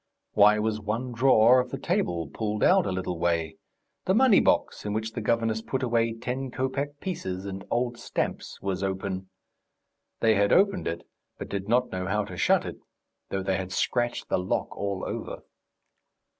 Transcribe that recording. Why was one drawer of the table pulled out a little way? The money box, in which the governess put away ten kopeck pieces and old stamps, was open. They had opened it, but did not know how to shut it, though they had scratched the lock all over.